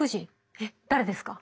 えっ誰ですか？